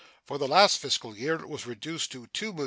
For the last fiscal year it was reduced to $2,112,814.